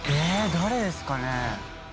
誰ですかね？